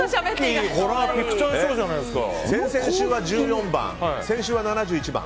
先々週は１４番、先週は７１番。